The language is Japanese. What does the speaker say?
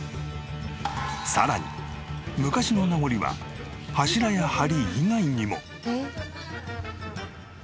さらに昔の名残は柱や梁以外にも。